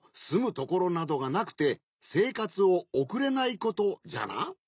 すむところなどがなくてせいかつをおくれないことじゃな。